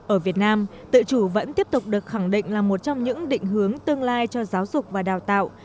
ở việt nam tự chủ vẫn tiếp tục được khẳng định là một trong những định hướng tương lai cho giáo dục và đào tạo